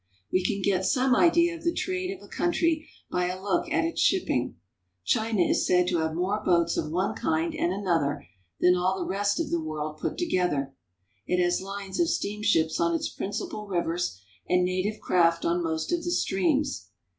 We can get some idea of the trade of a country by a look at its shipping. China is said to have more boats of one kind and another than all the rest of the world put together. It has lines of steam ships on its principal rivers and native craft on most of the streams.